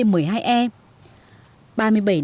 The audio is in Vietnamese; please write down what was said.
ba mươi bảy năm gắn bóng